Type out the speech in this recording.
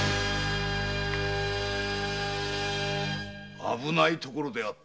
危ないところだった。